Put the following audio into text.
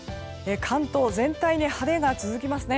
関東全体に晴れが続きますね。